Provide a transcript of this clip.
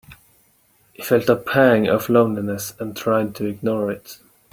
He felt a pang of loneliness and tried to ignore it.